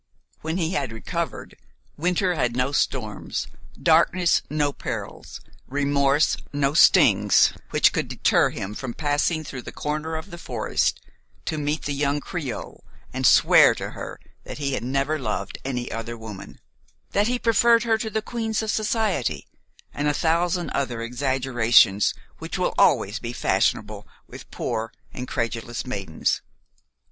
When he had recovered, winter had no storms, darkness no perils, remorse no stings which could deter him from passing through the corner of the forest to meet the young creole and swear to her that he had never loved any other woman; that he preferred her to the queens of society, and a thousand other exaggerations which will always be fashionable with poor and credulous maidens.